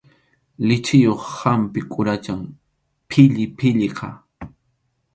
Lichiyuq hampi quracham pillipilliqa.